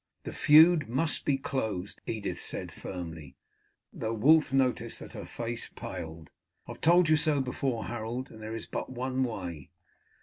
"The feud must be closed," Edith said firmly, though Wulf noticed that her face paled. "I have told you so before, Harold, and there is but one way."